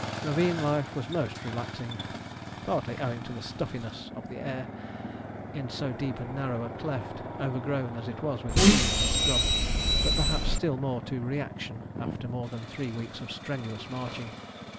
Ravine life was most relaxing partly owing to the stuffiness of the air in so deep and narrow a cleft, overgrown as it was with trees and scrub; but perhaps still more to reaction, after more than three weeks of strenuous marching.